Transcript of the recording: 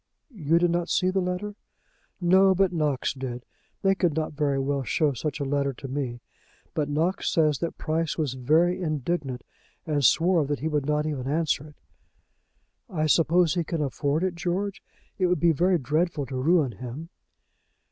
"You did not see the letter?" "No; but Knox did. They could not very well show such a letter to me; but Knox says that Price was very indignant, and swore that he would not even answer it." "I suppose he can afford it, George? It would be very dreadful to ruin him."